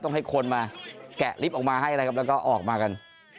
ให้คนมาแกะลิฟต์ออกมาให้นะครับแล้วก็ออกมากัน